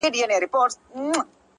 د ګیلاس لوري د شراب او د مینا لوري;